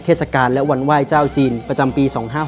เทศกาลและวันไหว้เจ้าจีนประจำปี๒๕๕๙